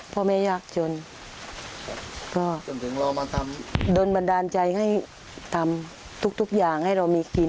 พ่อแม่หน่อยหากจนก็โดนบรรดาใจให้ทำทุกอย่างให้เรามีติด